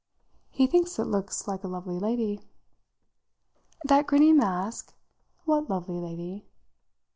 "He thinks it looks like a lovely lady." "That grinning mask? What lovely lady?"